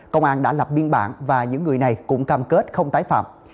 công an đã lập biên bản và những người này cũng cam kết không tái phạm